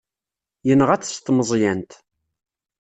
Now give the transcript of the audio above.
Yenɣa-t s tmeẓyant.